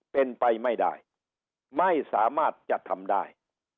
เป็นไปไม่ได้ไม่สามารถจะทำได้